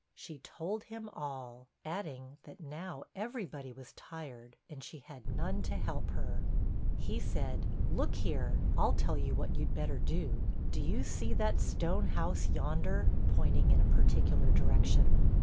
She told him all, adding that now every body was tired, and she had none to help her. He said, 'Look here! I'll tell you what you'd better do. Do you see that stone house yonder?' pointing in a particular direction.